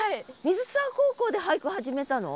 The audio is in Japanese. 水沢高校で俳句始めたの？